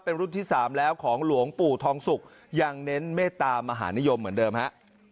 เป็นรุ่นที่๓แล้วของหลวงปู่ทองสุกยังเน้นเมตตามหานิยมเหมือนเดิมฮะ